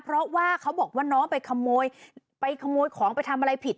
เพราะว่าเขาบอกว่าน้องไปขโมยไปขโมยของไปทำอะไรผิด